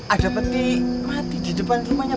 ada petik mati di depan rumahnya